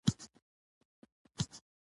دا یو روښانه حقیقت دی.